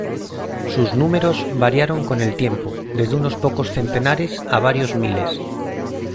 Sus números variaron con el tiempo, desde unos pocos centenares a varios miles.